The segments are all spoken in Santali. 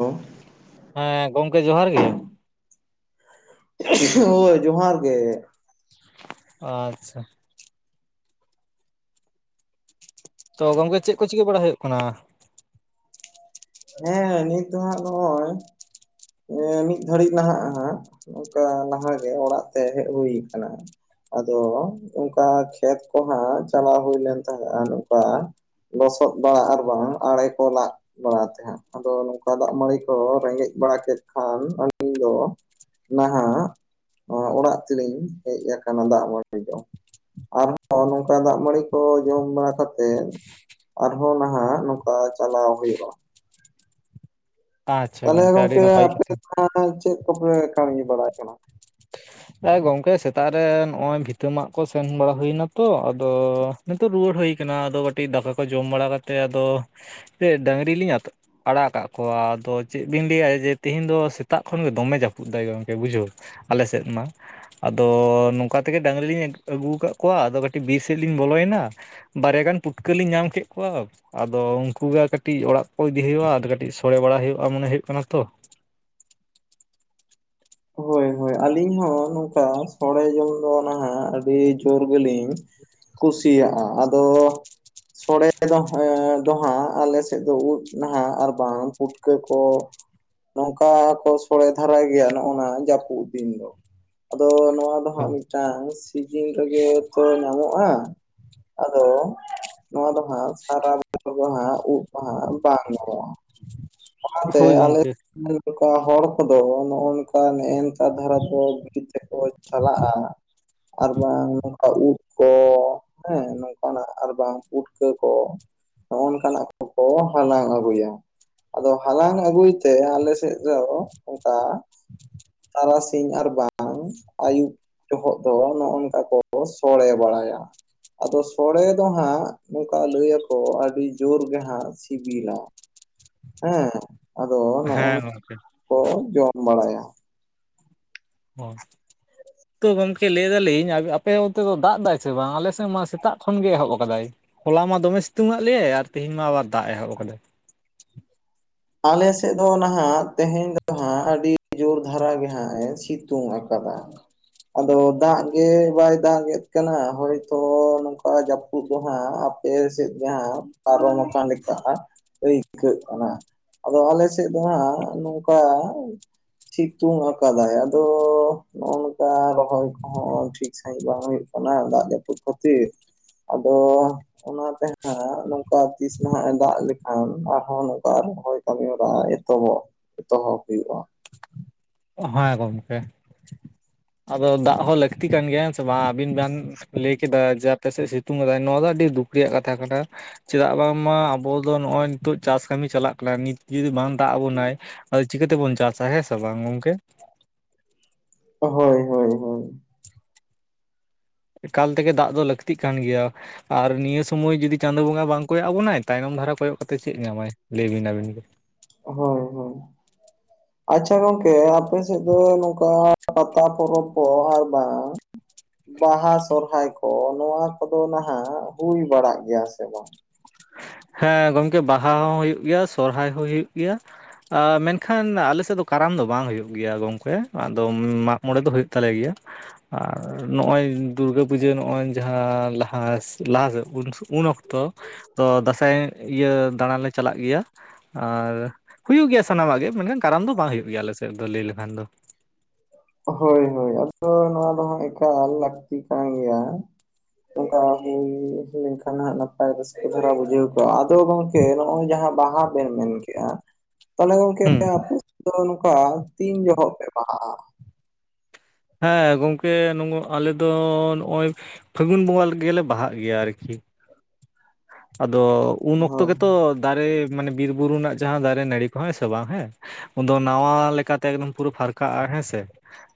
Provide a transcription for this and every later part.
ᱦᱚ ᱦᱮᱸ ᱜᱚᱝᱠᱮ ᱡᱚᱦᱟᱨ ᱜᱮ ᱦᱳᱭ ᱡᱚᱦᱟᱨ ᱜᱮ ᱟᱪᱪᱷᱟ ᱛᱚ ᱜᱚᱝᱠᱮ ᱪᱮᱫ ᱠᱚ ᱪᱤᱠᱟᱹ ᱵᱟᱲᱟᱭ ᱦᱩᱭᱩᱜ ᱠᱟᱱᱟ? ᱦᱮᱸ ᱱᱤᱛ ᱫᱚ ᱦᱟᱜ ᱱᱚᱜᱼᱚᱭ ᱢᱤᱫ ᱜᱟᱹᱲᱤᱡ ᱱᱟᱦᱟᱜ ᱱᱚᱜᱚᱭ ᱞᱟᱦᱟᱜᱮ ᱚᱲᱟᱜ ᱛᱮ ᱦᱮᱡ ᱦᱩᱭ ᱟᱠᱟᱱᱟ᱾ ᱟᱫᱚ ᱚᱝᱠᱟ ᱠᱷᱮᱛ ᱠᱚ ᱦᱟᱜ ᱪᱟᱞᱟᱣ ᱦᱳᱭ ᱞᱮᱱ ᱛᱟᱦᱮᱸᱫᱼᱟ ᱱᱚᱝᱠᱟ ᱞᱚᱥᱚᱫ ᱵᱟᱲᱟ ᱟᱨ ᱵᱟᱝ ᱟᱲᱮ ᱠᱚ ᱞᱟᱜ ᱵᱟᱲᱟ ᱛᱮᱦᱟᱸᱜ ᱟᱫᱚ ᱱᱚᱝᱠᱟ ᱫᱟᱜ ᱢᱟᱹᱲᱤ ᱠᱚ ᱨᱮᱸᱜᱮᱡ ᱵᱟᱲᱟ ᱠᱮᱫ ᱠᱷᱟᱱ ᱟᱹ ᱫᱚ ᱱᱟᱦᱟᱜ ᱱᱚᱣᱟ ᱚᱲᱟᱜ ᱛᱮᱞᱤᱧ ᱦᱮᱡ ᱟᱠᱟᱱᱟ ᱫᱟᱜ ᱢᱟᱹᱲᱤ ᱡᱚᱢ ᱟᱨᱦᱚᱸ ᱱᱚᱝᱠᱟ ᱫᱟᱜ ᱢᱟᱹᱲᱤ ᱠᱚ ᱡᱚᱢ ᱵᱟᱲᱟ ᱠᱟᱛᱮᱜ ᱟᱨᱦᱚᱸ ᱱᱟᱦᱟᱜ ᱱᱚᱝᱠᱟ ᱪᱟᱞᱟᱣ ᱦᱩᱭᱩᱜᱼᱟ ᱟᱪᱪᱷᱟ ᱛᱟᱦᱚᱞᱮ ᱜᱚᱝᱠᱮ ᱟᱹᱰᱤ ᱱᱟᱯᱟᱭ ᱟᱯᱮ ᱠᱟᱛᱷᱟ ᱫᱚ ᱪᱮᱫ ᱠᱚᱯᱮ ᱠᱟᱢᱤ ᱵᱟᱲᱟ ᱮᱫᱠᱟᱱᱟ? ᱮᱸ ᱜᱚᱝᱠᱮ ᱥᱮᱛᱟᱜ ᱨᱮ ᱱᱚᱜᱼᱚᱭ ᱵᱷᱤᱛᱟᱹ ᱢᱟᱜ ᱠᱚ ᱥᱮᱱ ᱵᱟᱲᱟ ᱦᱩᱭᱱᱟ ᱛᱚ ᱟᱫᱚᱼᱼ ᱱᱤᱛᱚᱜ ᱨᱩᱣᱟᱹᱲ ᱦᱩᱭ ᱟᱠᱟᱱᱟ ᱟᱫᱚ ᱠᱟᱹᱴᱤᱡ ᱫᱟᱠᱟ ᱠᱚ ᱡᱚᱢ ᱵᱟᱲᱟ ᱠᱟᱛᱮᱫ ᱟᱫᱚ ᱰᱟᱹᱝᱨᱤ ᱞᱤᱧ ᱟᱛᱼᱼ ᱟᱲᱟᱜ ᱟᱠᱟᱜ ᱠᱚᱣᱟ ᱟᱫᱚ ᱪᱮᱫ ᱵᱤᱱ ᱞᱟᱹᱭᱟ ᱡᱮ ᱛᱤᱦᱤᱧ ᱫᱚ ᱥᱮᱛᱟᱜ ᱠᱷᱚᱱ ᱜᱮ ᱫᱚᱢᱮ ᱡᱟᱹᱯᱩᱫ ᱮᱫᱟᱭ ᱜᱚᱝᱠᱮ ᱵᱩᱡᱷᱟᱹᱣ, ᱟᱞᱮ ᱥᱮᱫ ᱢᱟ, ᱟᱫᱚ ᱱᱚᱝᱠᱟ ᱛᱮᱜᱮ ᱰᱟᱹᱝᱨᱤ ᱞᱤᱧ ᱟᱹᱜᱩ ᱟᱹᱜᱩᱣ ᱠᱟᱜ ᱠᱚᱣᱟ ᱟᱫᱚ ᱠᱟᱹᱴᱤᱡ ᱵᱤᱨ ᱥᱮᱫ ᱞᱤᱧ ᱵᱚᱞᱚᱭᱮᱱᱟ, ᱵᱟᱨᱭᱟ ᱜᱟᱱ ᱯᱩᱴᱠᱟᱹ ᱞᱤᱧ ᱧᱟᱢ ᱠᱮᱫ ᱠᱚᱣᱟ, ᱟᱫᱚ ᱩᱱᱠᱩ ᱜᱮ ᱠᱟᱹᱴᱤᱡ ᱚᱲᱟᱜ ᱠᱚ ᱤᱫᱤ ᱦᱩᱭᱩᱜ-ᱟ ᱟᱫᱚ ᱠᱟᱹᱴᱤᱡ ᱥᱳᱲᱮ ᱵᱟᱲᱟ ᱦᱩᱭᱩᱜ-ᱟ ᱢᱚᱱᱮ ᱦᱩᱭᱩᱜ ᱠᱟᱱᱟ ᱛᱚ᱾ ᱦᱳᱭ ᱦᱳᱭ ᱟᱹᱞᱤᱧ ᱦᱚᱸ ᱱᱚᱝᱠᱟ ᱥᱚᱲᱮ ᱡᱚᱝ ᱫᱚ ᱱᱟᱦᱟᱜ ᱟᱹᱰᱤ ᱡᱳᱨ ᱜᱮᱞᱤᱧ ᱠᱩᱥᱤᱭᱟᱜ-ᱟ [unintelligible] ᱥᱚᱲᱮ ᱫᱚ ᱫᱚᱦᱟᱸᱜ ᱟᱞᱮ ᱥᱮᱫ ᱫᱚ ᱩᱫ ᱱᱟᱦᱟᱜ ᱟᱨ ᱵᱟᱝ ᱯᱩᱴᱠᱟᱹ ᱠᱚ ᱱᱚᱝᱠᱟ ᱠᱚ ᱥᱳᱲᱮ ᱫᱷᱟᱨᱟ ᱜᱮᱭᱟ ᱚᱱᱟ ᱡᱟᱹᱯᱩᱫ ᱫᱤᱱ ᱫᱚ ᱟᱫᱚ ᱱᱚᱣᱟ ᱫᱚ ᱦᱟᱸᱜ ᱢᱤᱫᱴᱟᱝ ᱡᱤᱧ ᱨᱮᱜᱮ ᱛᱚ ᱧᱟᱢᱚᱜ-ᱟ, ᱟᱫᱚ ᱱᱚᱣᱟ ᱫᱚ ᱦᱟᱸᱜ ᱥᱟᱨᱟ ᱵᱚᱪᱷᱚᱨ [inaudible] ᱫᱚ ᱦᱟᱸᱜ ᱩᱵ ᱫᱚ ᱦᱟᱸᱜ ᱵᱟᱝ ᱧᱟᱢᱚᱜ-ᱟ᱾ ᱚᱱᱟ ᱛᱮ ᱦᱳᱭ ᱟᱞᱮ ᱜᱚᱢᱠᱮ ᱱᱚᱝᱠᱟ ᱦᱚᱲ ᱠᱚᱫᱚ ᱱᱚᱜ-ᱚ ᱱᱚᱠᱟ ᱱᱮ ᱮ ᱱᱮᱠᱟ ᱫᱷᱟᱨᱟ ᱫᱚ ᱵᱤᱨ ᱛᱮᱠᱚ ᱪᱟᱞᱟᱜ-ᱟ᱾ ᱟᱨ ᱵᱟᱝ ᱚᱝᱠᱟ ᱩᱫ ᱠᱚ ᱦᱮᱸ ᱱᱚᱝᱠᱟᱱᱟᱜ ᱟᱨ ᱵᱟᱝ ᱯᱩᱴᱠᱟᱹ ᱠᱚ ᱱᱚᱜ-ᱚ ᱱᱚᱠᱟᱱᱟᱜ ᱠᱚᱠᱚ ᱦᱟᱞᱟᱝ ᱟᱹᱜᱩᱭᱟ᱾ ᱟᱫᱚ ᱦᱟᱞᱟᱝ ᱟᱹᱜᱩᱭ ᱛᱮ ᱟᱞ ᱥᱮᱫ ᱫᱚ ᱚᱱᱠᱟ ᱛᱟᱨᱟᱥᱤᱧ ᱟᱨ ᱵᱟᱝ ᱟᱹᱭᱩᱵ ᱡᱚᱦᱚᱜ ᱫᱚ ᱱᱚᱜ-ᱱᱚᱝᱠᱟ ᱠᱚ ᱥᱚᱲᱮ ᱵᱟᱲᱟᱭᱟ᱾ ᱟᱫᱚ ᱥᱚᱲᱮ ᱫᱚ ᱦᱟᱸᱜ ᱱᱚᱝᱠᱟ ᱞᱟᱹᱭ ᱟᱠᱚ ᱟᱹᱰᱤ ᱡᱳᱨ ᱜᱮ ᱦᱟᱸᱜ ᱥᱤᱵᱤᱞᱟ᱾ ᱦᱮᱸ ᱟᱫᱚ ᱦᱮᱸ ᱱᱚᱜ-ᱱᱚᱝᱠᱟ ᱜᱚᱢᱠᱮ ᱠᱚ ᱡᱚᱢ ᱵᱟᱲᱟᱭᱟ᱾ [inaudible] ᱛᱚ ᱜᱚᱝᱠᱮ ᱞᱟᱹᱭ ᱫᱟᱞᱤᱧ ᱟᱯ ᱟᱯᱮ ᱚᱱᱛᱮ ᱫᱚ ᱫᱟᱜ ᱫᱟᱭ ᱥᱮ ᱵᱟᱝ? ᱟᱞᱮ ᱥᱮᱫ ᱢᱟ ᱥᱮᱛᱟᱜ ᱠᱷᱚᱱ ᱜᱮ ᱮᱦᱚᱵ ᱟᱠᱟᱫᱟᱭ᱾ ᱦᱚᱞᱟ ᱢᱟ ᱫᱚᱢᱮ ᱥᱤᱛᱩᱝ ᱟᱜ ᱞᱮ ᱟᱨ ᱛᱤᱦᱤᱧ ᱢᱟ ᱟᱵᱟᱨ ᱫᱟᱜ ᱮᱦᱚᱵ ᱟᱠᱟᱫᱟᱭ᱾ ᱟᱞᱮ ᱥᱮᱫ ᱫᱚ ᱱᱟᱦᱟᱜ ᱛᱮᱦᱮᱧ ᱫᱚ ᱦᱟᱸᱜ ᱟᱹᱰᱤ ᱡᱳᱨ ᱫᱷᱟᱨᱟ ᱜᱮ ᱦᱟᱸᱜ ᱮ ᱥᱤᱛᱩᱝ ᱟᱠᱟᱫᱟ᱾ ᱟᱫᱚ ᱫᱟᱜ ᱜᱮ ᱵᱟᱭ ᱫᱟᱜᱮᱫ ᱠᱟᱱᱟ ᱦᱚᱭᱛᱚ ᱱᱚᱝᱠᱟ ᱡᱟᱯᱩᱫ ᱩᱫ ᱫᱚ ᱦᱟᱸᱜ ᱟᱯᱮ ᱥᱮᱫ ᱡᱟᱦᱟᱸ ᱯᱟᱨᱚᱢ ᱟᱠᱟᱱ ᱞᱮᱠᱟ ᱟᱹᱭᱠᱟᱹᱜ ᱠᱟᱱᱟ᱾ ᱟᱫᱚ ᱟᱞᱮ ᱥᱮᱫ ᱫᱚ ᱦᱟᱸᱜ ᱱᱚᱝᱠᱟ ᱥᱤᱛᱩᱝ ᱟᱠᱟᱫᱟᱭ ᱟᱫᱚ ᱱᱚᱜ-ᱚ ᱱᱚᱝᱠᱟ ᱨᱚᱦᱚᱭ ᱠᱚᱦᱚᱸ ᱴᱷᱤᱠ ᱥᱟᱦᱤᱡ ᱵᱟᱝ ᱦᱩᱭᱩᱜ ᱠᱟᱱᱟ ᱫᱟᱜ ᱡᱟᱹᱯᱩᱫ ᱠᱷᱟᱹᱛᱤᱨ᱾ ᱟᱫᱚ ᱚᱱᱟ ᱛᱮ ᱦᱟᱸᱜ ᱱᱚᱝᱠᱟ ᱛᱤᱥ ᱱᱟᱦᱟᱜ ᱮ ᱫᱟᱜ ᱞᱮᱠᱷᱟᱱ ᱟᱨᱦᱚᱸ ᱱᱚᱝᱠᱟ ᱨᱚᱦᱚᱭ ᱠᱟᱹᱢᱤ ᱦᱚᱨᱟ ᱮᱛᱚᱦᱚᱵ ᱮᱛᱚᱦᱚᱵ ᱦᱩᱭᱩᱜ-ᱟ᱾ ᱦᱮᱸ ᱜᱚᱝᱠᱮ ᱟᱫᱚ ᱫᱟᱜ ᱦᱚᱸ ᱞᱟᱹᱠ ᱛᱤ ᱠᱟᱱ ᱜᱮᱭᱟ ᱥᱮ ᱵᱟᱝ ᱟᱵᱤᱱ ᱡᱟᱦᱟᱱ ᱞᱟᱹᱭ ᱠᱮᱫᱟ ᱡᱮ ᱟᱯᱮ ᱥᱮᱫ ᱥᱤᱛᱩᱝ ᱠᱟᱫᱟᱭ ᱱᱚᱣᱟ ᱫᱚ ᱟᱹᱰᱤ ᱫᱩᱠ ᱨᱮᱭᱟᱜ ᱠᱟᱛᱷᱟ ᱠᱟᱱᱟ᱾ ᱪᱮᱫᱟᱜ ᱵᱟᱝᱢᱟ ᱟᱵᱚ ᱫᱚ ᱱᱚᱜ-ᱚᱭ ᱱᱤᱛᱳᱜ ᱪᱟᱥ ᱠᱟᱹᱢᱤ ᱪᱟᱞᱟᱜ ᱠᱟᱱᱟ ᱱᱤᱛ ᱡᱩᱫᱤ ᱵᱟᱝ ᱫᱟᱜ ᱟᱵᱚᱱᱟᱭ, ᱟᱫᱚ ᱪᱤᱠᱟᱹ ᱛᱮᱵᱚᱱ ᱪᱟᱥᱟ ᱦᱮᱸ ᱥᱮ ᱵᱟᱝ ᱜᱚᱝᱠᱮ ᱦᱳᱭ ᱦᱳᱭ ᱦᱳᱭ, ᱮᱠᱟᱞ ᱛᱮᱜᱮ ᱫᱟᱜ ᱫᱚ ᱞᱟᱹᱠᱛᱤᱜ ᱠᱟᱱ ᱜᱮᱭᱟ᱾ ᱟᱨ ᱱᱤᱭᱟᱹ ᱥᱚᱢᱚᱭ ᱡᱩᱫᱤ ᱪᱟᱸᱫᱳ ᱵᱚᱸᱜᱟ ᱵᱟᱝ ᱠᱚᱭᱚᱜ ᱟᱵᱚᱱᱟᱭ ᱛᱟᱭᱱᱚᱢ ᱫᱷᱟᱨᱟ ᱠᱚᱭᱚᱜ ᱠᱟᱛᱮᱫ ᱪᱮᱫ ᱧᱟᱢᱟᱭ ᱞᱟᱹᱭ ᱵᱤᱱ ᱟᱵᱤᱱ ᱜᱮ? ᱦᱳᱭ ᱦᱳᱭ, [unintelligible] ᱟᱪᱪᱷᱟ ᱜᱚᱝᱠᱮ ᱟᱯᱮ ᱥᱮᱫ ᱫᱚ ᱱᱚᱝᱠᱟ ᱯᱟᱛᱟ ᱯᱚᱨᱚᱵᱽ ᱠᱚ ᱟᱨ ᱵᱟᱝ ᱵᱟᱦᱟ ᱥᱚᱨᱦᱟᱭ ᱠᱚ ᱱᱚᱣᱟ ᱠᱚᱫᱚ ᱱᱟᱦᱟᱜ ᱦᱩᱭ ᱵᱟᱲᱟᱜ ᱜᱮᱭᱟ ᱥᱮ ᱵᱟᱝ? ᱦᱮᱸ ᱜᱚᱝᱠᱮ ᱵᱟᱦᱟ ᱦᱚᱸ ᱦᱩᱭᱩᱜ ᱜᱮᱭᱟ ᱥᱚᱨᱦᱟᱭ ᱦᱚᱸ ᱦᱩᱭᱩᱜ ᱜᱮᱭᱟ᱾ ᱢᱮᱱᱠᱷᱟᱱ ᱟᱞᱮ ᱥᱮᱫ ᱫᱚ ᱠᱟᱨᱟᱢ ᱫᱚ ᱵᱟᱝ ᱦᱩᱭᱩᱜ ᱜᱮᱭᱟ ᱜᱚᱢᱠᱮ, ᱟᱫᱚ ᱢᱟᱜᱽ ᱢᱚᱬᱮ ᱫᱚ ᱦᱩᱭᱩᱜ ᱛᱟᱞᱮ ᱜᱮᱭᱟ᱾ ᱟᱨ ᱱᱚᱜᱼᱚᱭ ᱫᱩᱨᱜᱟᱹ ᱯᱩᱡᱟᱹ ᱱᱚᱜᱚᱭ ᱡᱟᱦᱟᱸ ᱞᱟᱦᱟ ᱞᱟᱦᱟ ᱥᱮᱫ ᱩᱱ ᱚᱠ ᱛᱚ, ᱫᱟᱸᱥᱟᱭ ᱤᱭᱟᱹ ᱫᱟᱬᱟᱱ ᱞᱮ ᱪᱟᱞᱟᱜ ᱜᱮᱭᱟ ᱟᱨ ᱦᱩᱭᱩᱜ ᱜᱮᱭᱟ ᱥᱟᱱᱟᱢᱟᱜ ᱜᱮ ᱢᱮᱱᱠᱷᱟᱱ ᱠᱟᱨᱟᱢ ᱫᱚ ᱵᱟᱝ ᱦᱩᱭᱩᱜ ᱜᱮᱭᱟ ᱟᱞᱮ ᱥᱮᱫ ᱞᱟᱹᱭ ᱞᱮᱠᱷᱟᱱ ᱫᱚ᱾ ᱦᱳᱭ ᱦᱳᱭ ᱟᱫᱚ ᱱᱚᱣᱟ ᱫᱚ ᱦᱟᱸᱜ ᱮᱠᱟᱞ ᱞᱟᱹᱠᱛᱤ ᱠᱟᱱ ᱜᱮᱭᱟ᱾ ᱳᱠᱟ ᱦᱩᱭ ᱞᱮᱱᱠᱷᱟᱱ ᱦᱟᱸᱜ ᱱᱟᱯᱟᱭ ᱨᱟᱹᱥᱠᱟᱹ ᱫᱷᱟᱨᱟ ᱵᱩᱡᱷᱟᱹᱣ ᱠᱚᱜᱼᱟ᱾ ᱟᱫᱚ ᱜᱚᱝᱠᱮ ᱱᱚᱜᱼᱚᱭ ᱡᱟᱦᱟᱸ ᱵᱟᱦᱟ ᱵᱮᱱ ᱢᱮᱱᱠᱮᱜᱼᱟ ᱛᱟᱦᱚᱞᱮ ᱜᱚᱝᱠᱮ ᱦᱩᱸ ᱟᱯᱮ ᱫᱚ ᱱᱚᱝᱠᱟ ᱛᱤᱱ ᱡᱚᱦᱚᱜ ᱯᱮ ᱵᱟᱦᱟᱜᱼᱟ? ᱦᱮᱸ ᱜᱚᱝᱠᱮ ᱟᱞᱮ ᱫᱚ ᱱᱚᱜᱳᱭ ᱯᱷᱟᱹᱜᱩᱱ ᱵᱚᱸᱜᱟ ᱜᱮᱞᱮ ᱵᱟᱦᱟᱜ ᱜᱮᱭᱟ ᱟᱨᱠᱤ [inaudible] ᱟᱫᱚ ᱩᱱ ᱚᱠᱛᱚ ᱦᱳᱭ ᱜᱮ ᱛᱚ ᱫᱟᱨᱮ ᱢᱟᱱᱮ ᱵᱤᱨ ᱵᱩᱨᱩ ᱨᱮᱱᱟᱜ ᱡᱟᱦᱟᱸ ᱫᱟᱨᱮ ᱱᱟᱹᱲᱤ ᱠᱚ ᱦᱮᱸ ᱥᱮ ᱵᱟᱝ ᱦᱮᱸ, ᱩᱱᱫᱚ ᱱᱟᱣᱟ ᱞᱮᱠᱟᱛᱮ ᱮᱠᱫᱚᱢ ᱯᱩᱨᱟᱹ ᱯᱷᱟᱨᱠᱟᱜᱼᱟ ᱦᱮᱸᱥᱮ᱾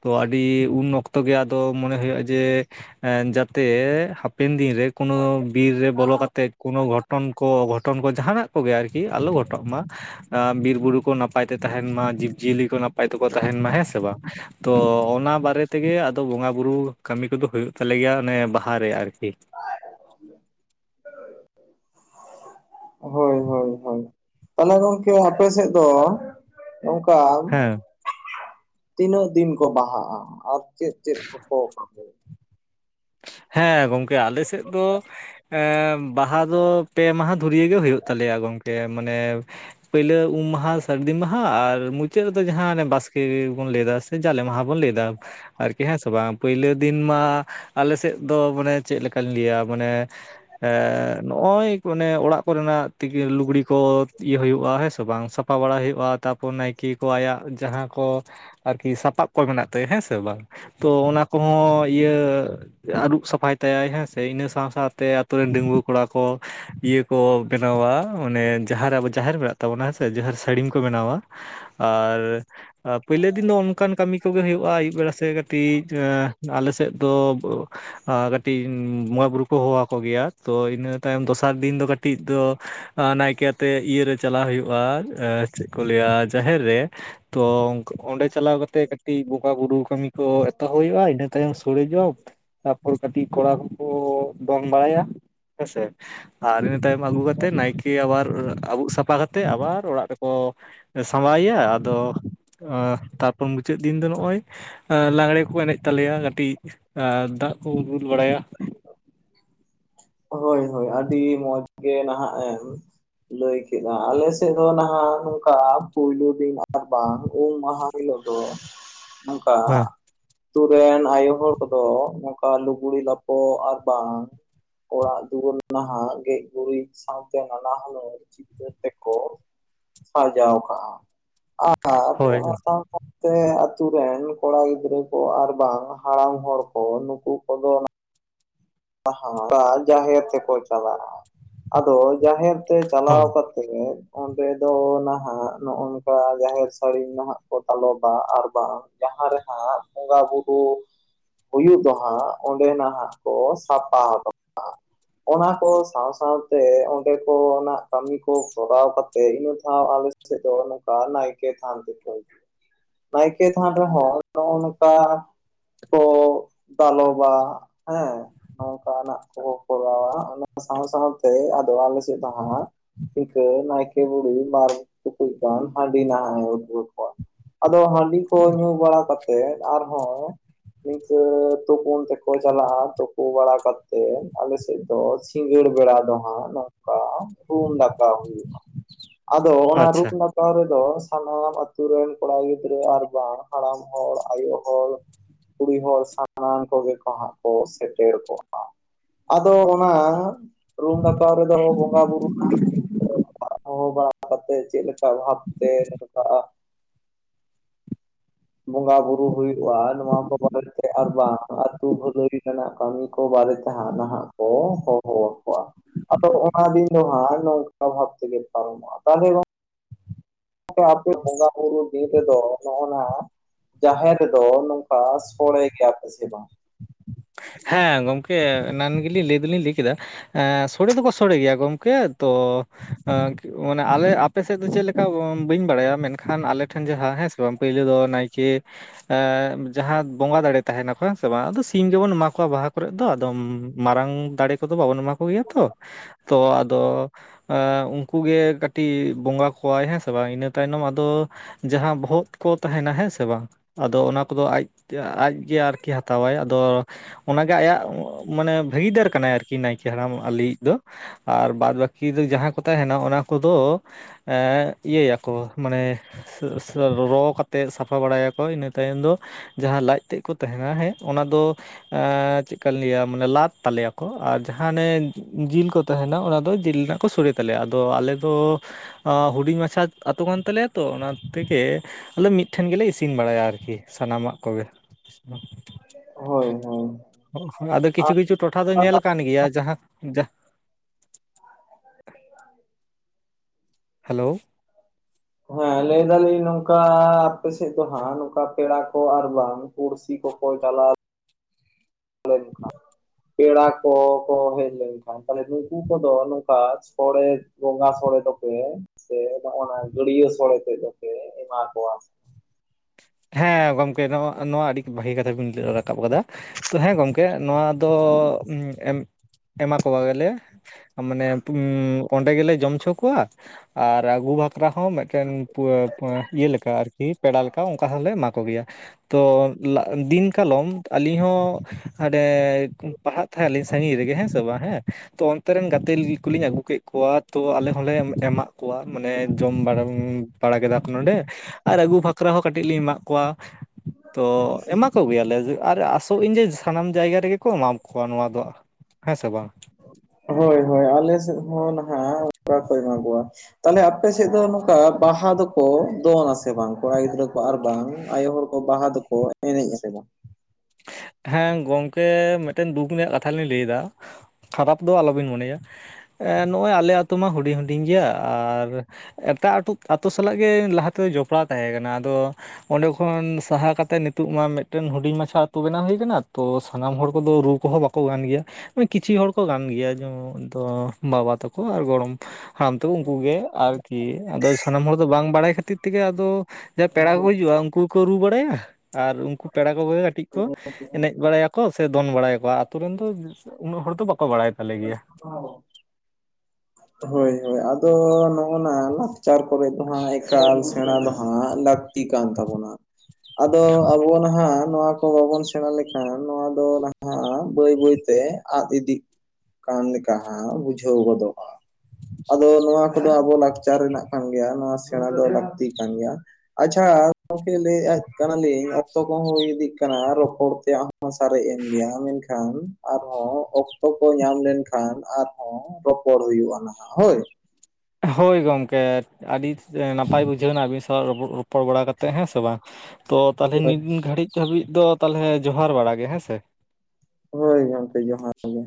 ᱛᱚ ᱟᱹᱰᱤ ᱩᱱ ᱚᱠᱛᱚ ᱜᱮ ᱟᱫᱚ ᱢᱚᱱᱮ ᱦᱩᱭᱩᱜᱼᱟ ᱡᱮ ᱮᱸ ᱡᱟᱛᱮ ᱦᱟᱯᱮᱱ ᱫᱤᱱ ᱨᱮ ᱠᱳᱱᱳ ᱵᱤᱨ ᱨᱮ ᱵᱚᱞᱚ ᱠᱟᱛᱮᱜ ᱠᱳᱱᱳ ᱜᱷᱚᱴᱚᱱ ᱠᱚ ᱚᱜᱷᱚᱴᱚᱱ ᱠᱚ ᱡᱟᱦᱟᱱᱟᱜ ᱠᱚᱜᱮ ᱟᱨᱠᱤ ᱟᱞᱚ ᱜᱷᱚᱴᱚᱜ ᱢᱟ᱾ ᱵᱤᱨ ᱵᱩᱨᱩ ᱠᱚ ᱱᱟᱯᱟᱭ ᱛᱮ ᱛᱟᱦᱮᱱ ᱢᱟ ᱡᱤᱵ ᱡᱤᱭᱟᱹᱞᱤ ᱠᱚ ᱱᱟᱯᱟᱭ ᱛᱮᱠᱚ ᱛᱟᱦᱮᱱ ᱢᱟ ᱦᱮᱸ ᱥᱮ ᱵᱟᱝ᱾ᱛᱚ ᱚᱱᱟ ᱵᱟᱨᱮ ᱛᱮᱜᱮ ᱟᱫᱚ ᱵᱚᱸᱜᱟ ᱵᱩᱨᱩ ᱠᱟᱹᱢᱤ ᱠᱚᱫᱚ ᱦᱩᱭᱩᱜ ᱛᱟᱞᱮ ᱜᱮᱭᱟ ᱚᱱᱮ ᱵᱟᱦᱟ ᱨᱮ ᱟᱨᱠᱤ᱾ [inaudible] ᱦᱳᱭ ᱦᱳᱭ ᱦᱳᱭ᱾ ᱛᱟᱦᱚᱞᱮ ᱜᱚᱢᱠᱮ ᱟᱯᱮ ᱥᱮᱫ ᱫᱚ ᱱᱚᱝᱠᱟ ᱦᱮᱸ ᱛᱤᱱᱟᱹᱜ ᱫᱤᱱ ᱠᱚ ᱵᱟᱦᱟᱜᱼᱟ? ᱟᱨ ᱪᱮᱫ ᱪᱮᱫ ᱠᱚᱠᱚ ᱮᱢᱟ ᱠᱚᱣᱟ? ᱦᱮᱸ ᱜᱚᱢᱠᱮ ᱟᱞᱮ ᱥᱮᱫ ᱫᱚ ᱮ ᱵᱟᱦᱟ ᱫᱚ ᱯᱮ ᱢᱟᱦᱟ ᱫᱷᱩᱨᱭᱟᱹ ᱜᱮ ᱦᱩᱭᱩᱜ ᱛᱟᱞᱮᱭᱟ ᱜᱚᱢᱠᱮ᱾ ᱢᱟᱱᱮ ᱯᱳᱭᱞᱳ ᱩᱢ ᱢᱟᱦᱟ ᱥᱟᱹᱨᱫᱤ ᱢᱟᱦᱟ ᱟᱨ ᱢᱩᱪᱟᱹᱫ ᱨᱮᱫᱚ ᱡᱟᱦᱟᱸ ᱚᱱᱮ ᱵᱟᱥᱠᱮ ᱵᱚᱱ ᱞᱟᱹᱭ ᱮᱫᱟ ᱡᱟᱞᱮ ᱢᱟᱦᱟ ᱵᱚᱱ ᱞᱟᱹᱭ ᱫᱟ ᱟᱨᱠᱤ ᱦᱮᱸ ᱥᱮ ᱵᱟᱝ᱾ ᱯᱳᱭᱞᱳ ᱫᱤᱱ ᱢᱟ ᱟᱞᱮᱥᱮᱫ ᱫᱚ ᱢᱟᱱᱮ ᱪᱮᱫ ᱞᱮᱠᱟᱧ ᱞᱟᱹᱭᱟ ᱢᱟᱱᱮ ᱱᱚᱜᱼᱚᱭ ᱚᱱᱮ ᱚᱲᱟᱜ ᱠᱚᱨᱮᱱᱟᱜ ᱛᱤᱠᱤ ᱞᱩᱜᱽᱲᱤ ᱠᱚ ᱤᱭᱟᱹ ᱦᱩᱭᱩᱜᱼᱟ ᱦᱮᱸ ᱥᱮ ᱵᱟᱝ ᱥᱟᱯᱷᱟ ᱵᱟᱲᱟ ᱦᱩᱭᱩᱜᱼᱟ ᱛᱟᱯ ᱱᱟᱭᱠᱮ ᱠᱚ ᱟᱭᱟᱜ ᱡᱟᱦᱟᱸ ᱠᱚ ᱟᱨᱠᱤ ᱥᱟᱯᱟᱵ ᱠᱚ ᱢᱮᱱᱟᱜ ᱛᱟᱭᱟ ᱦᱮᱸ ᱥᱮ ᱵᱟᱝ, ᱛᱳ ᱚᱱᱟ ᱠᱚᱦᱚᱸ ᱤᱭᱟᱹ ᱟᱹᱨᱩᱵ ᱥᱟᱯᱷᱟᱭ ᱛᱟᱭᱟᱭ ᱦᱮᱸᱥᱮ ᱤᱱᱟᱹ ᱥᱟᱣ ᱥᱟᱣᱛᱮ ᱟᱹᱛᱩᱨ ᱨᱮᱱ ᱰᱟᱺᱜᱩᱭᱟᱹ ᱠᱚᱲᱟ ᱠᱚ, ᱤᱭᱟᱹ ᱠᱚ ᱵᱮᱱᱟᱣᱟ ᱢᱟᱱᱮ ᱡᱟᱸᱦᱟ ᱨᱮ ᱟᱵᱚ ᱡᱟᱦᱮᱨ ᱢᱮᱱᱟᱜ ᱛᱟᱵᱚᱱᱟ ᱦᱮᱸ ᱥᱮ ᱡᱟᱦᱮᱨ ᱥᱟᱹᱲᱤᱢ ᱠᱚ ᱵᱮᱱᱟᱣᱟ᱾ ᱟᱨ, ᱯᱳᱭᱞᱳ ᱫᱤᱱ ᱫᱚ ᱚᱱᱠᱟᱱ ᱠᱟᱹᱢᱤ ᱠᱚᱜᱮ ᱦᱩᱭᱩᱜᱼᱟ ᱟᱹᱭᱩᱵ ᱵᱮᱲᱟ ᱥᱮᱫ ᱠᱟᱹᱴᱤᱡ ᱟᱞᱮ ᱥᱮᱫ ᱫᱚ ᱟᱨ ᱠᱟᱹᱴᱤᱡ ᱵᱚᱸᱜᱟ ᱵᱩᱨᱩ ᱠᱚ ᱦᱚᱦᱚ ᱣᱟᱠᱳ ᱜᱮᱭᱟ, ᱛᱚ ᱤᱱᱟᱹ ᱛᱟᱭᱚᱢ ᱫᱚᱥᱟᱨ ᱫᱤᱱ ᱫᱚ ᱠᱟᱹᱴᱤᱡ ᱫᱚ ᱱᱟᱭᱠᱮ ᱟᱛᱮ ᱤᱭᱟᱹ ᱨᱮ ᱪᱟᱞᱟᱣ ᱦᱩᱭᱩᱜᱼᱟ, ᱪᱮᱫ ᱠᱚ ᱞᱟᱹᱭᱟ ᱡᱟᱦᱮᱨ ᱨᱮ, ᱛᱚ ᱚᱸᱰᱮ ᱪᱟᱞᱟᱣ ᱠᱟᱛᱮᱜ ᱠᱟᱹᱴᱤᱡ ᱵᱚᱸᱜᱟ ᱵᱩᱨᱩ ᱠᱟᱹᱢᱤ ᱠᱚ ᱮᱛᱚᱦᱚᱵ ᱦᱩᱭᱩᱜᱼᱟ ᱤᱱᱟᱹ ᱛᱟᱭᱚᱢ ᱥᱚᱲᱮ ᱡᱚᱢ ᱠᱟᱹᱴᱤᱡ ᱠᱚᱲᱟ ᱠᱚᱠᱚ ᱫᱚᱝ ᱵᱟᱲᱟᱭᱟ ᱦᱮᱸ ᱥᱮ᱾ ᱟᱨ ᱤᱱᱟᱹ ᱛᱟᱭᱚᱢ ᱟᱹᱜᱩ ᱠᱟᱛᱮ ᱱᱟᱭᱠᱮ ᱟᱵᱟᱨ ᱟᱵᱩᱜ ᱥᱟᱯᱷᱟ ᱠᱟᱛᱮ ᱟᱵᱟᱨ ᱚᱲᱟᱜ ᱠᱚ ᱥᱟᱸᱵᱟᱭ ᱮᱭᱟ ᱟᱫᱚ ᱛᱟᱨᱯᱚᱨ ᱢᱩᱪᱟᱹᱫ ᱫᱤᱱ ᱫᱚ ᱱᱚᱜᱼᱚᱭ, ᱞᱟᱜᱽᱬᱮ ᱠᱚ ᱮᱱᱮᱡ ᱛᱟᱞᱮᱭᱟ ᱠᱟᱹᱴᱤᱡ ᱫᱟᱜ ᱠᱚ ᱫᱩᱞ ᱵᱟᱲᱟᱭᱟ᱾ [inaudible] ᱦᱳᱭ ᱦᱳᱭ ᱟᱹᱰᱤ ᱢᱚᱸᱡᱽ ᱜᱮ ᱱᱟᱦᱟᱜ ᱮᱢ ᱞᱟᱹᱭ ᱠᱮᱫᱟ ᱟᱞᱮ ᱥᱮᱫ ᱫᱚ ᱱᱟᱦᱟᱜ ᱱᱚᱝᱠᱟ ᱯᱩᱭᱞᱳ ᱫᱤᱱ ᱟᱨ ᱵᱟᱝ ᱩᱢ ᱢᱟᱦᱟ ᱦᱤᱞᱳᱜ ᱫᱚ ᱱᱚᱝᱠᱟ ᱦᱮᱸ ᱟᱛᱩ ᱨᱮᱱ ᱟᱭᱳ ᱦᱚᱲ ᱠᱚᱫᱚ ᱱᱚᱝᱠᱟ ᱞᱩᱜᱽᱲᱤ ᱞᱟᱯᱚ ᱟᱨ ᱵᱟᱝ ᱚᱲᱟᱜ ᱫᱩᱣᱟᱹᱨ ᱱᱟᱦᱟᱜ ᱜᱮ ᱜᱮᱡ ᱜᱩᱨᱤᱡ ᱥᱟᱶᱛᱮ ᱱᱟᱱᱟ ᱦᱩᱱᱟᱹᱨ ᱪᱤᱛᱟᱹᱨ [inaudible] ᱛᱮᱠᱚ ᱼᱼ ᱥᱟᱡᱟᱣ ᱠᱟᱜᱼᱟ ᱾ ᱟᱨ ᱦᱳᱭ ᱚᱱᱟ ᱥᱟᱶ ᱛᱮ ᱟᱛᱳ ᱨᱮᱱ ᱠᱚᱲᱟ ᱜᱤᱫᱽᱨᱟᱹ ᱠᱚ ᱟᱨ ᱵᱟᱝ ᱦᱟᱲᱟᱢ ᱦᱚᱲ ᱠᱚ ᱱᱩᱠᱩ ᱠᱚᱫᱚ ᱱᱟᱜᱼᱼ ᱡᱟᱦᱮᱨ ᱛᱮᱠᱚ ᱪᱟᱞᱟᱜᱼᱟ ᱾ ᱟᱫᱚ ᱡᱟᱦᱮᱨ ᱛᱮ ᱪᱟᱞᱟᱣ ᱦᱳᱭ ᱠᱟᱼᱼ ᱚᱸᱰᱮ ᱫᱚ ᱱᱟᱦᱟᱜ ᱱᱚᱜ ᱱᱚᱠᱟ ᱡᱟᱦᱮᱨ ᱥᱟᱹᱲᱤᱢ ᱱᱟᱦᱟᱜ ᱠᱚ ᱫᱟᱞᱚᱵᱟ ᱟᱨ ᱵᱟᱝ ᱡᱟᱦᱟᱸ ᱨᱮᱦᱟᱸᱜ ᱵᱚᱸᱜᱟ ᱵᱩᱨᱩ ᱦᱩᱭᱩᱜ ᱫᱚ ᱦᱟᱸᱜ ᱚᱸᱰᱮ ᱱᱟᱦᱟᱸᱜ ᱠᱚ ᱥᱟᱯᱷᱟ ᱦᱚᱴᱚᱠᱟᱜᱼᱟ ᱾ ᱚᱱᱟ ᱠᱚ ᱥᱟᱶ ᱥᱟᱶᱛᱮ ᱚᱸᱰᱮ ᱠᱚᱱᱟᱜ ᱠᱟᱹᱢᱤ ᱠᱚ ᱠᱚᱨᱟᱣ ᱠᱟᱛᱮ ᱤᱱᱟᱹ ᱫᱷᱟᱣ ᱟᱞᱮ ᱱᱚᱝᱠᱟ ᱱᱟᱭᱠᱮ ᱛᱷᱟᱱ [unintelligible] ᱱᱟᱭᱠᱮ ᱛᱷᱟᱱ ᱨᱮᱦᱚᱸ ᱱᱚᱜᱼᱚ ᱱᱚᱝᱠᱟ ᱠᱚ ᱫᱟᱞᱚᱵᱟ ᱦᱮᱸ ᱱᱚᱝᱠᱟᱱᱟᱜ ᱠᱚᱠᱚ ᱠᱚᱨᱟᱣ ᱚᱱᱟ ᱠᱚ ᱥᱟᱶ ᱥᱟᱶᱛᱮ ᱟᱫᱚ ᱟᱞᱮ ᱥᱮᱫ ᱫᱚ ᱦᱟᱸᱜ [unintelligible] ᱱᱟᱭᱠᱮ ᱵᱩᱲᱤ ᱵᱟᱨ ᱴᱩᱠᱩᱡ ᱜᱟᱱ ᱦᱟᱸᱰᱤ ᱱᱟᱦᱟᱜ ᱮ ᱩᱴᱷᱟᱣ ᱟᱠᱚᱣᱟ᱾ ᱟᱫᱚ ᱦᱟᱸᱰᱤ ᱠᱚ ᱧᱩ ᱵᱟᱲᱟ ᱠᱟᱛᱮᱫ ᱟᱨᱦᱚᱸ ᱱᱤᱝᱠᱟᱹᱻ ᱛᱩᱯᱩᱱ ᱛᱮᱠᱚ ᱪᱟᱞᱟᱜᱼᱟ ᱾ᱛᱩᱱ ᱛᱩᱯᱩ ᱵᱟᱲᱟ ᱠᱟᱛᱮᱫ ᱟᱞᱮᱥᱮᱫ ᱫᱚ, ᱥᱤᱸᱜᱟᱹᱲ ᱵᱮᱲᱟ ᱫᱚ ᱦᱟᱸᱜ ᱱᱚᱝᱠᱟ ᱨᱩᱢ ᱰᱟᱠᱟᱣ ᱦᱩᱭᱩᱜᱼᱟ [inaudible] ᱼᱼ ᱟᱫᱚ ᱚᱱᱟ ᱨᱩᱢ ᱰᱟᱠᱟᱣ ᱰᱟᱠᱟᱣ ᱨᱮᱫᱚ ᱥᱟᱱᱟᱢ ᱟᱛᱳ ᱨᱮᱱ ᱠᱚᱲᱟ ᱜᱤᱫᱽᱨᱟᱹ ᱟᱨ ᱵᱟᱝ ᱦᱟᱲᱟᱢ ᱦᱚᱲ, ᱟᱭᱳ ᱦᱚᱲ ᱠᱩᱲᱤ ᱦᱚᱲ ᱥᱟᱱᱟᱢ ᱠᱚᱜᱮ ᱠᱚ ᱦᱟᱸᱜ ᱠᱚ ᱥᱮᱼᱼ ᱥᱮᱴᱮᱨ ᱠᱚᱜᱼᱟ ᱟᱫᱚ ᱚᱱᱟ ᱨᱩᱢ ᱰᱟ ᱰᱟᱠᱟᱣ ᱨᱮᱫᱚ ᱵᱚᱸᱜᱟ ᱵᱩᱨᱩ ᱱᱟᱦᱟᱜ ᱠᱚ ᱦᱚᱦᱚ ᱵᱟᱲᱟ ᱠᱟᱛᱮ ᱪᱮᱫ ᱞᱮᱠᱟ ᱵᱷᱟᱵᱽ ᱛᱮ ᱞᱮ ᱢᱮᱛᱟᱜᱼᱟ᱾ [inaudible] ᱼᱼ ᱵᱚᱸᱜᱟ ᱵᱩᱨᱩ ᱦᱩᱭᱩᱜᱼᱟ ᱱᱚᱣᱟ ᱠᱚ ᱵᱟᱨᱮᱛᱮ ᱟᱨ ᱵᱟᱝ ᱟᱹᱛᱩ ᱵᱷᱟᱹᱜᱟᱹᱨᱤ ᱨᱮᱱᱟᱜ ᱠᱟᱹᱢᱤ ᱠᱚ ᱵᱟᱨᱮᱛᱮ ᱦᱟᱸᱜ ᱱᱟᱦᱟᱜ ᱠᱚ ᱦᱚᱦᱚᱣᱟᱠᱚᱣᱟ᱾ ᱟᱫᱚ ᱚᱱᱟ ᱫᱤᱱ ᱫᱚ ᱦᱟᱸᱜ ᱱᱚᱝᱠᱟ ᱵᱷᱟᱵ ᱛᱮᱜᱮ ᱯᱟᱨᱚᱢᱚᱜᱼᱟ ᱾ ᱛᱟᱦᱞᱮ ᱦᱚᱸᱼᱼ ᱟᱫᱚ ᱟᱯᱮ ᱵᱚᱸᱜᱟ ᱵᱩᱨᱩ ᱱᱤᱛ ᱫᱚ ᱱᱚᱜ ᱱᱟ ᱡᱟᱦᱮᱨ ᱨᱮᱫᱚ ᱱᱚᱝᱠᱟ ᱥᱳᱲᱮ ᱜᱮᱭᱟᱯᱮ ᱥᱮ ᱵᱟᱝ? ᱦᱮᱸ ᱜᱚᱢᱠᱮ ᱮᱱᱟᱱ ᱜᱮᱞᱤᱧ ᱞᱟᱹᱭ ᱫᱚᱞᱤᱧ ᱞᱟᱹᱭ ᱠᱮᱫᱟ ᱮ ᱥᱳᱲᱮ ᱫᱚᱠᱚ ᱥᱳᱲᱮ ᱜᱮᱭᱟ, ᱜᱚᱢᱠᱮ ᱛᱚ ᱢᱟᱱᱮ ᱟᱞᱮ, ᱟᱯᱮ ᱥᱮᱫ ᱫᱚ ᱪᱮᱫᱞᱮᱠᱟ ᱵᱟᱹᱧ ᱵᱟᱲᱟᱭᱟ ᱾ ᱢᱮᱱᱠᱷᱟᱱ ᱟᱞᱮ ᱴᱷᱮᱱ ᱡᱟᱦᱟᱸ ᱦᱮᱸ ᱥᱮ ᱵᱟᱝ? ᱯᱩᱭᱞᱩ ᱫᱚ ᱱᱟᱭᱠᱮ ᱡᱟᱦᱟᱸ ᱵᱚᱸᱜᱟ ᱫᱟᱲᱮ ᱛᱟᱦᱮᱱᱟᱠᱚ ᱦᱮᱸᱥᱮ ᱵᱟᱝ? ᱥᱤᱢ ᱜᱮᱵᱚᱱ ᱮᱢᱟ ᱠᱚᱣᱟ ᱵᱟᱦᱟ ᱠᱚᱨᱮ ᱫᱚ ᱾ ᱟᱫᱚ ᱢᱟᱨᱟᱝ ᱫᱟᱲᱮ ᱠᱚᱫᱚ ᱵᱟᱵᱚᱱ ᱮᱢᱟ ᱠᱚᱜᱮᱭᱟ ᱛᱚ ᱾ ᱛᱚ ᱟᱫᱚ ᱩᱱᱠᱩ ᱜᱮ ᱴᱤ ᱵᱚᱸᱜᱟ ᱠᱚᱣᱟᱭ ᱦᱮᱸ ᱥᱮ ᱵᱟᱝ? ᱤᱱᱟᱹ ᱛᱟᱭᱱᱚᱢ ᱟᱫᱚ ᱡᱟᱦᱟᱸ ᱵᱚᱦᱚᱜ ᱠᱚ ᱛᱟᱦᱮᱱᱟ ᱦᱮᱸ ᱥᱮ ᱵᱟᱝ? ᱟᱫᱚ ᱚᱱᱟ ᱠᱚᱫᱚ ᱟᱡᱜᱮ ᱟᱨᱠᱤ ᱦᱟᱛᱟᱣᱼᱟᱭ ᱾ ᱟᱫᱚ ᱚᱱᱟᱜᱮ ᱟᱭᱟᱜ ᱢᱟᱱᱮ ᱵᱷᱟᱹᱜᱤᱫᱟᱨ ᱠᱟᱱᱟᱭ ᱟᱨᱠᱤ ᱱᱟᱭᱠᱮ ᱦᱟᱲᱟᱢ ᱟᱞᱮᱭᱤᱡ ᱫᱚ ᱟᱨ ᱵᱟᱫᱽ ᱵᱟᱹᱠᱤ ᱡᱟᱦᱟᱸ ᱠᱚ ᱛᱟᱦᱮᱱᱟ ᱚᱱᱟ ᱠᱚᱫᱚ ᱤᱭᱟᱹᱭᱟᱠᱚ ᱢᱟᱱᱮ ᱨᱚ ᱠᱟᱛᱮᱫ ᱥᱟᱯᱷᱟ ᱵᱟᱲᱟᱭᱟᱠᱚ ᱾ᱤᱱᱟᱹ ᱛᱟᱭᱚᱢ ᱫᱚ ᱡᱟᱦᱟᱸ ᱞᱟᱡᱽ ᱛᱮᱫ ᱠᱚ ᱛᱟᱦᱮᱱᱟ ᱦᱮᱸ? ᱚᱱᱟ ᱫᱚ ᱮᱻ ᱪᱮᱫᱠᱟᱞ ᱞᱮᱭᱟ ᱢᱟᱱᱮ ᱞᱟᱫ ᱛᱟᱞᱮᱭᱟᱠᱚ ᱟᱨ ᱡᱟᱦᱟᱸᱱᱮ ᱡᱤᱞ ᱠᱚ ᱛᱟᱦᱮᱱᱟ ᱚᱱᱟ ᱫᱚ ᱡᱤᱞ ᱱᱟᱜ ᱠᱚ ᱥᱚᱲᱮ ᱛᱟᱞᱮᱭᱟ, ᱟᱫᱚ ᱟᱞᱮ ᱫᱚ ᱚ ᱦᱩᱰᱤᱧ ᱢᱟᱪᱷᱟ ᱟᱛᱳ ᱠᱟᱱ ᱛᱟᱞᱮᱭᱟ ᱛᱚ ᱚᱱᱟ ᱛᱮᱜᱮ ᱟᱞᱮ ᱢᱤᱫ ᱴᱷᱮᱱ ᱜᱮᱞᱮ ᱤᱥᱤᱱ ᱵᱟᱲᱟᱭᱟ ᱟᱨᱠᱤ ᱥᱟᱱᱟᱢᱟᱜ ᱠᱚᱜᱮ ᱾ ᱦᱳᱭ ᱦᱳᱭ ᱟᱫᱚ ᱠᱤᱪᱷᱩ ᱠᱤᱪᱷᱩ ᱴᱚᱴᱷᱟ ᱫᱚ ᱟᱨ ᱧᱮᱞ ᱠᱟᱱ ᱜᱮᱭᱟ ᱡᱟᱦᱟᱸ ᱦᱮᱞᱳ! ᱦᱮᱸ ᱞᱟᱹᱭᱫᱟᱞᱤᱧ ᱱᱚᱝᱠᱟ ᱟᱯᱮ ᱥᱮᱫ ᱫᱚ ᱦᱟᱸᱜ ᱱᱚᱝᱠᱟ ᱯᱮᱲᱟ ᱠᱚ ᱟᱨ ᱵᱟᱝ ᱯᱩᱲᱥᱤ ᱠᱚᱠᱚ ᱪᱟᱞᱟ [unintelligible] ᱯᱮᱲᱟ ᱠᱚ ᱠᱚ ᱦᱮᱡ ᱞᱮᱝᱠᱷᱟᱱ ᱛᱟᱦᱚᱞᱮ ᱱᱩᱝᱠᱩ ᱠᱚᱫᱚ ᱱᱚᱝᱠᱟ ᱥᱚᱲᱮ ᱵᱚᱸᱜᱟ ᱥᱚᱲᱮ ᱫᱚᱯᱮ ᱥᱮ ᱱᱚᱜᱼ ᱱᱟ ᱜᱟᱹᱲᱤᱭᱟᱹ ᱥᱚᱲᱮ ᱛᱮ ᱫᱚᱯᱮ ᱮᱢᱟ ᱠᱚᱣᱟ ᱾ ᱦᱮᱸ ᱜᱚᱢᱠᱮ ᱱᱚᱣᱟ ᱱᱚᱣᱟ ᱟᱹᱰᱤ ᱵᱷᱟᱹᱜᱤ ᱠᱟᱛᱷᱟ ᱵᱤᱱ ᱨᱟᱠᱟᱵ ᱟᱠᱟᱫᱟ ᱛᱚ ᱦᱮᱸ ᱜᱚᱢ ᱠᱮ ᱱᱚᱣᱟ ᱫᱚ ᱮᱢ ᱮᱢᱟ ᱠᱚᱣᱟ ᱜᱮᱞᱮ ᱾ ᱢᱟᱱᱮ ᱯᱩᱻ ᱚᱸᱰᱮ ᱜᱮᱞᱮ ᱡᱚᱢ ᱶᱷᱚ ᱠᱚᱣᱟ ᱾ ᱟᱨ ᱟᱜᱩ ᱵᱟᱠᱷᱨᱟ ᱦᱚᱸ ᱢᱤᱫᱴᱮᱱ ᱯᱩᱣᱟ ᱯᱩᱣᱟ ᱤᱭᱟᱹ ᱞᱮᱠᱟ ᱟᱨᱠᱤ ᱯᱮᱲᱟ ᱞᱮᱠᱟ ᱚᱠᱟ ᱦᱚᱸᱞᱮ ᱮᱢᱟ ᱠᱚᱜᱮᱭᱟ ᱛᱚ ᱫᱤᱱ ᱠᱟᱞᱚᱢ ᱟᱹᱞᱤᱧ ᱦᱚᱸ ᱦᱟᱸᱰᱮ ᱯᱟᱲᱦᱟᱜ ᱛᱟᱦᱮᱸᱜ ᱞᱤᱧ ᱥᱟᱺᱜᱤᱧ ᱨᱮᱜᱮ ᱦᱮᱸ ᱥᱮ ᱵᱟᱝ ᱦᱮᱸ ᱾ ᱛᱚ ᱚᱱᱛᱮ ᱨᱮᱱ ᱜᱟᱛᱮ ᱞᱟᱹᱜᱤ ᱠᱚᱞᱤᱧ ᱟᱹᱜᱩ ᱠᱮᱫ ᱠᱚᱣᱟ ᱛᱚ ᱟᱞᱮ ᱦᱚᱸᱞᱮ ᱮᱢᱟᱜ ᱠᱚᱣᱟ ᱢᱟᱱᱮ ᱡᱚᱢ ᱵᱟᱲᱟ ᱩᱸᱻ ᱯᱟᱲᱟ ᱠᱮᱫᱟ ᱠᱚ ᱱᱚᱰᱮ ᱟᱨ ᱟᱹᱜᱩ ᱯᱷᱟᱠᱨᱟ ᱦᱚᱸ ᱠᱟᱹᱴᱤᱡ ᱞᱤᱧ ᱮᱟᱜ ᱠᱚᱣᱟ ᱾ ᱛᱚ ᱮᱢᱟ ᱠᱚ ᱜᱮᱭᱟᱞᱮ ᱟᱨ ᱟᱥᱚᱜ ᱟᱹᱧ ᱡᱮ ᱥᱟᱱᱟᱢ ᱡᱟᱭᱜᱟ ᱨᱮᱜᱮ ᱠᱚ ᱮᱢᱟ ᱠᱚᱣᱟ ᱱᱚᱣᱟ ᱫᱚ ᱦᱮᱸ ᱥᱮ ᱵᱟᱝ ᱾ ᱦᱳᱭ ᱦᱳᱭ ᱟᱞᱮ ᱥᱮᱫ ᱦᱚᱸ ᱱᱟᱦᱟᱜ ᱚᱠᱟ ᱠᱚ ᱮᱢᱟ ᱠᱚᱣᱟ ᱾ ᱛᱟᱦᱚᱞᱮ ᱟᱯᱮ ᱥᱮᱫ ᱫᱚ ᱱᱚᱠᱟ ᱵᱟᱦᱟ ᱫᱚᱠᱚ ᱫᱚᱱᱟᱥᱮ ᱵᱟᱝ ᱠᱚᱲᱟ ᱜᱤᱫᱽᱨᱟᱹ ᱠᱚ ᱟᱨ ᱵᱟᱝ ᱟᱭᱳ ᱦᱚᱲ ᱠᱚ ᱵᱟᱦᱟ ᱫᱚᱠᱚ ᱮᱱᱮᱡ ᱟᱥᱮ ᱵᱟᱝ? ᱦᱮᱸ ᱜᱚᱝᱠᱮ ᱢᱤᱫᱴᱮᱱ ᱫᱩᱠ ᱨᱮᱭᱟᱜ ᱠᱟᱛᱷᱟ ᱞᱤᱧ ᱞᱟᱹᱭᱫᱟ ᱠᱷᱟᱨᱟᱯ ᱫᱚ ᱟᱞᱚᱵᱮᱱ ᱢᱚᱱᱮᱭᱟ ᱮ ᱱᱚᱜᱼᱚᱭ ᱟᱞᱮ ᱟᱛᱩ ᱢᱟ ᱦᱩᱰᱤᱧ ᱦᱩᱰᱤᱧ ᱜᱮᱭᱟ ᱟᱨ ᱮᱴᱟᱜ ᱟᱹᱴᱩ ᱟᱛᱳ ᱥᱟᱞᱟᱜ ᱜᱮ ᱞᱟᱦᱟ ᱛᱮᱫᱚ ᱡᱚᱯᱲᱟᱣ ᱛᱟᱦᱮᱸ ᱠᱟᱱᱟ ᱟᱫᱚ ᱚᱸᱰᱮ ᱠᱷᱚᱱ ᱥᱟᱦᱟ ᱠᱟᱛᱮᱫ ᱱᱤᱛᱚᱜ ᱢᱟ ᱢᱤᱫᱴᱮᱱ ᱦᱩᱰᱤᱧ ᱢᱟᱪᱷᱟ ᱛᱩ ᱵᱮᱱᱟᱣ ᱦᱩᱭ ᱠᱟᱱᱟ ᱛᱚ ᱥᱟᱱᱟᱢ ᱦᱚᱲ ᱠᱚᱫᱚ ᱨᱩ ᱠᱚᱦᱚᱸ ᱵᱟᱠᱚ ᱜᱟᱱ ᱜᱮᱭᱟ ᱾ ᱠᱤᱪᱷᱤ ᱦᱚᱲ ᱠᱚ ᱜᱟᱱ ᱜᱮᱭᱟ ᱡᱮᱢᱚᱱ ᱫᱚ ᱵᱟᱵᱟ ᱛᱟᱠᱚ ᱟᱨ ᱜᱚᱲᱚᱢ ᱦᱟᱲᱟᱢ ᱛᱟᱠᱚ ᱩᱝᱠᱩ ᱜᱮ ᱟᱨᱠᱤ ᱾ ᱟᱫᱚ ᱥᱟᱱᱟᱢ ᱦᱚᱲ ᱫᱚ ᱵᱟᱝ ᱵᱟᱲᱟᱭ ᱠᱷᱟᱹᱛᱤᱨ ᱛᱮᱜᱮ ᱟᱫᱚ ᱡᱟᱦᱟᱸ ᱯᱮᱲᱟ ᱠᱚ ᱦᱤᱡᱩᱜᱼᱟ ᱩᱝᱠᱩ ᱜᱮᱠᱚ ᱨᱩ ᱵᱟᱲᱟᱭᱟ ᱾ ᱟᱨ ᱩᱝᱠᱩ ᱯᱮᱲᱟ ᱠᱚᱜᱮ ᱠᱟᱹᱴᱤᱡ ᱠᱚ ᱮᱱᱮᱡ ᱵᱟᱲᱟᱭᱟᱠᱚ ᱥᱮ ᱫᱚᱱ ᱵᱟᱲᱟᱭᱟᱠᱚ ᱟᱛᱳ ᱨᱮᱱ ᱫᱚ ᱩᱱᱟᱹᱜ ᱦᱚᱲ ᱫᱚ ᱵᱟᱠᱚ ᱵᱟᱲᱟᱭ ᱛᱟᱞᱮ ᱜᱮᱭᱟ ᱾ [inaudible] ᱦᱳᱭ ᱦᱳᱭ ᱟᱫᱚ ᱱᱚᱜᱼᱚ ᱱᱟ ᱞᱟᱠᱪᱟᱨ ᱠᱚᱨᱮ ᱫᱚ ᱦᱟᱸᱜ ᱮᱠᱟᱞ ᱥᱮᱬᱟ ᱫᱚ ᱦᱟᱸᱜ ᱞᱟᱹᱠᱛᱤ ᱠᱟᱱ ᱛᱟᱵᱚᱱᱟ, ᱟᱫᱚ ᱟᱵᱚ ᱱᱟᱦᱟᱜ ᱱᱚᱣᱟ ᱠᱚ ᱵᱟᱵᱚᱱ ᱥᱮᱬᱟ ᱞᱮᱠᱷᱟᱱ ᱱᱚᱣᱟ ᱫᱚ ᱱᱟᱦᱟᱜ ᱵᱟᱹᱭ ᱵᱟᱹᱭᱛᱮ ᱟᱫ ᱤᱫᱤᱜ ᱠᱟᱱ ᱞᱮᱠᱟ ᱦᱟᱸᱜ ᱵᱩᱡᱷᱟᱹᱣ ᱜᱚᱫᱚᱜᱼᱟ ᱾ ᱟᱫᱚ ᱱᱚᱣᱟ ᱠᱚᱫᱚ ᱟᱵᱚ ᱞᱟᱠᱪᱟᱨ ᱠᱟᱱ ᱜᱮᱭᱟ ᱱᱚᱣᱟ ᱥᱮᱬᱟ ᱫᱚ ᱞᱟᱹᱠᱛᱤ ᱠᱟᱱ ᱜᱮᱭᱟ ᱾ ᱟᱪᱪᱷᱟ ᱜᱚᱝᱠᱮ ᱞᱟᱹᱭᱮᱡ ᱠᱟᱱᱟᱞᱤᱧ ᱚᱠᱛᱚ ᱠᱚᱦᱚᱸ ᱦᱩᱭ ᱤᱫᱤᱜ ᱠᱟᱱᱟ ᱨᱚᱯᱚᱲ ᱛᱮᱭᱟᱜ ᱦᱚᱸ ᱥᱟᱨᱮᱡ ᱮᱱ ᱜᱮᱭᱟ ᱢᱮᱱᱠᱷᱟᱱ ᱟᱨᱦᱚᱸ ᱚᱠᱛᱚ ᱠᱚ ᱧᱟᱢ ᱞᱮᱱᱠᱷᱟᱱ ᱟᱨᱦᱚᱸ ᱨᱚᱯᱚᱲ ᱦᱩᱭᱩᱜᱼᱟ ᱱᱟᱦᱟᱜ ᱦᱳᱭ ᱾ ᱦᱳᱭ ᱜᱚᱢᱠᱮ ᱾ ᱟᱹᱰᱤ ᱱᱟᱯᱟᱭ ᱵᱩᱡᱷᱟᱹᱣᱮᱱᱟ ᱟᱹᱵᱤᱱ ᱥᱟᱞᱟᱜ ᱨᱚᱯᱚ-ᱨᱚᱯᱚᱲ ᱵᱟᱲᱟ ᱠᱟᱛᱮᱜ ᱦᱮᱸ ᱥᱮ ᱵᱟᱝ ᱾ ᱛᱚ ᱛᱟᱦᱚᱞᱮ ᱦᱳᱭ ᱱᱤᱱ ᱜᱷᱟᱹᱲᱤᱡ ᱫᱷᱟᱹᱵᱤᱡ ᱫᱚ ᱛᱟᱦᱚᱞᱮ ᱡᱚᱦᱟᱨ ᱵᱟᱲᱟᱜ ᱜᱮ ᱦᱮᱸ ᱥᱮ ᱾ ᱦᱳᱭ ᱜᱚᱝᱠᱮ ᱡᱚᱦᱟᱨ ᱜᱮ᱾